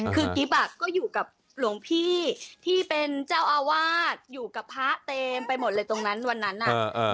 คือกิ๊บอ่ะก็อยู่กับหลวงพี่ที่เป็นเจ้าอาวาสอยู่กับพระเต็มไปหมดเลยตรงนั้นวันนั้นน่ะ